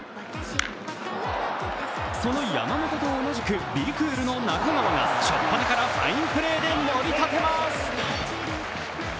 その山本と同じく＃Ｂ＿ＣＯＯＬの中川が初っぱなからファインプレーで盛り立てます。